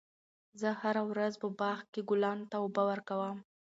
زه هره ورځ په باغ کې ګلانو ته اوبه ورکوم.